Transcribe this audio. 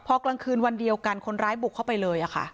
พอกลางคืนวันเดียวกันคนร้ายบุกเข้าไปเลย